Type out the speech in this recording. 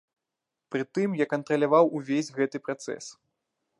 Прытым я кантраляваў увесь гэты працэс.